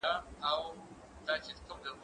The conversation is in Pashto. زه کولای سم ليکنې وکړم